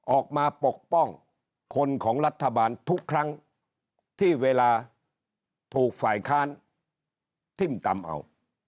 ปกป้องคนของรัฐบาลทุกครั้งที่เวลาถูกฝ่ายค้านทิ่มตำเอา